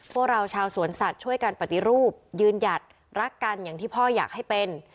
พวกเราชาวสวนสัตว์ช่วยกันปฏิรูปยืนหยัดรักกันอย่างที่พ่ออยากให้เป็น